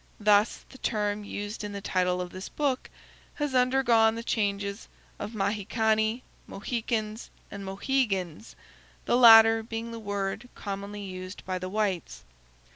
Thus, the term used in the title of this book has undergone the changes of Mahicanni, Mohicans, and Mohegans; the latter being the word commonly used by the whites.